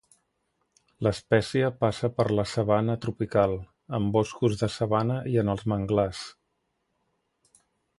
L'espècie passa per la sabana tropical, amb boscos de sabana i en els manglars.